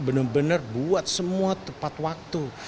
karena tuhan benar benar buat semua tepat waktu